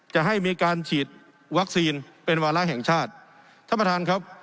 จะให้มีการฉีดวัคซีนเป็นวาระแห่งชาติท่านประธานครับ